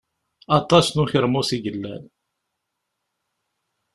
Aṭas n ukermus i yellan.